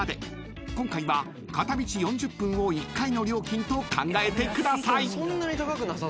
［今回は片道４０分を１回の料金と考えてください］